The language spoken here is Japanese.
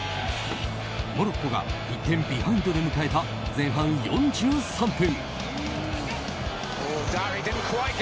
モロッコが１点ビハインドで迎えた前半４３分。